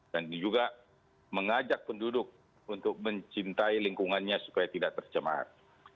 dan juga mengajak penduduk untuk mencintai lingkungannya supaya tidak tercemar